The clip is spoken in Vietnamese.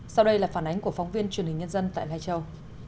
sau đây là phản ánh của phóng viên truyền hình nhân dân tại lai châu